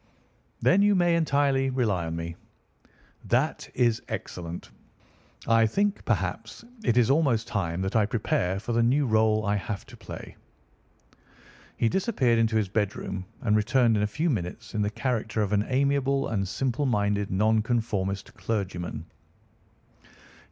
"Then you may entirely rely on me." "That is excellent. I think, perhaps, it is almost time that I prepare for the new role I have to play." He disappeared into his bedroom and returned in a few minutes in the character of an amiable and simple minded Nonconformist clergyman.